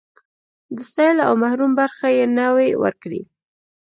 د سايل او محروم برخه يې نه وي ورکړې.